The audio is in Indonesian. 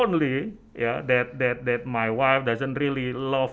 istri saya tidak suka berjalan jauh